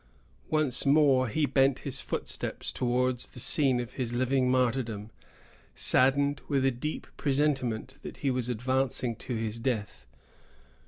Once more he bent his footsteps towards the scene of his living martyrdom, saddened with a deep presentiment that he was advancing to his death.